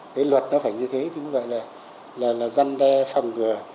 cái luật nó phải như thế chúng gọi là dân đe phòng ngừa